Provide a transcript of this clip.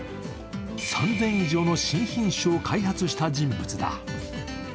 ３０００以上の新品種を開発した人物だ。